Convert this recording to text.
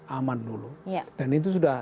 aman dulu dan itu sudah